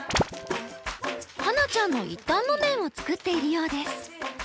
羽那ちゃんの一反木綿を作っているようです。